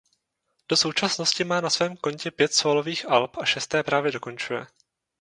Do současnosti má na svém kontě pět sólových alb a šesté právě dokončuje.